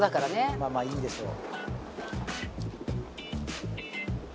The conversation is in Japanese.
まあまあいいんでしょう。